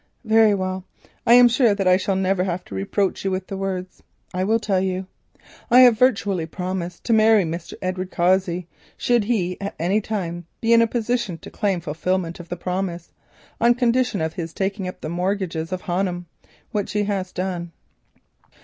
"Very well. I am sure that I shall never have to reproach you with the words. I will tell you. I have virtually promised to marry Mr. Edward Cossey, should he at any time be in a position to claim fulfilment of the promise, on condition of his taking up the mortgages on Honham, which he has done."